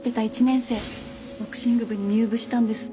１年生ボクシング部に入部したんです。